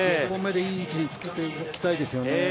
１本目でいい位置につけておきたいですよね。